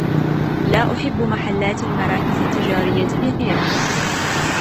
لا أحب محلات المراكز التجارية كثيرا.